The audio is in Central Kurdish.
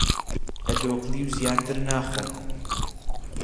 لە دۆکڵیو زیاتر ناخۆم!